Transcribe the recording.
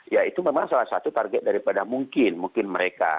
ya itu memang salah satu target daripada mungkin mungkin mereka